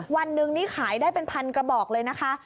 วันหนึ่งนี่ขายได้เป็นพันกระบอกเลยนะคะ